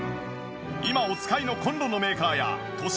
今お使いのコンロのメーカーや都市